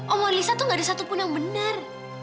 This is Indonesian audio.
omongan lisa tuh gak ada satupun yang benar